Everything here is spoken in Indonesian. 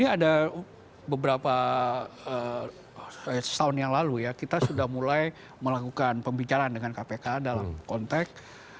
ini ada beberapa setahun yang lalu ya kita sudah mulai melakukan pembicaraan dengan kpk dalam konteks